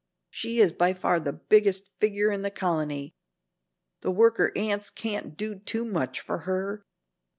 She is by far the biggest figure in the colony. The worker ants can't do too much for her.